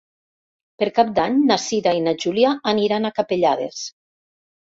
Per Cap d'Any na Cira i na Júlia aniran a Capellades.